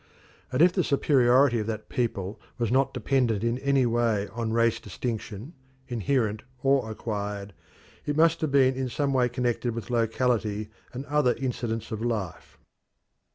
And if the superiority of that people was not dependent in any way on race distinction, inherent or acquired, it must have been in some way connected with locality and other incidents of life.